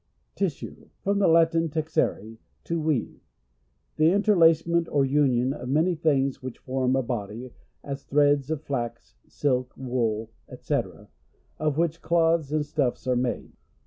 Tissue. — From the Latin, texere, to weave. The interlacement or union of many things which form a body, as threads of flax, silk, wool, &c, of which cloths and stuffs are made.